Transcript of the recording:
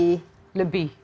menurut saya lebih